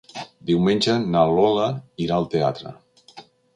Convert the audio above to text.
Diumenge na Lola irà al teatre.